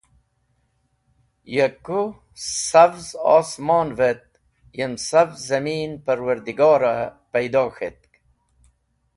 Ya kũ savz osmon’v et yem savz zamin Parwardigore paydo k̃hetk.